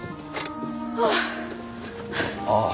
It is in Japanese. ああ。